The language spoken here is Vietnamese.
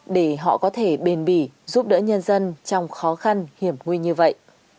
để họ có thể bền bỉ giúp đỡ nhân dân trong khó khăn hiểm nguy như vậy